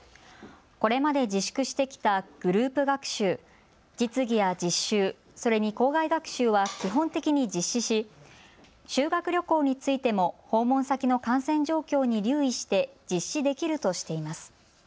これまで自粛してきたグループ学習、実技や実習、それに校外学習は基本的に実施し修学旅行についても訪問先の感染状況に留意して実施できるとしています。